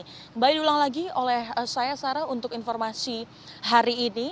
kembali diulang lagi oleh saya sarah untuk informasi hari ini